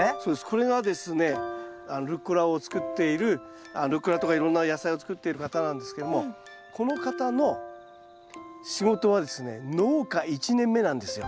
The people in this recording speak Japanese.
これがですねルッコラを作っているルッコラとかいろんな野菜を作っている方なんですけどもこの方の仕事はですね農家１年目なんですよ。